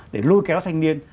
để lôi kéo thanh niên